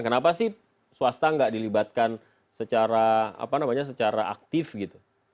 kenapa sih swasta enggak dilibatkan secara apa namanya secara aktif gitu